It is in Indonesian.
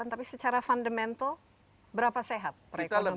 tapi secara fundamental berapa sehat perekonomian